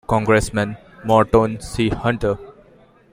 Congressman Morton C. Hunter.